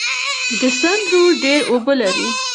د سند رود ډیر اوبه لري.